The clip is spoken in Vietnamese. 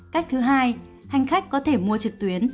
cách thứ hai hành khách có thể mua trực tuyến